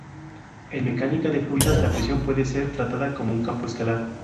En mecánica de fluidos la presión puede ser tratada como un campo escalar.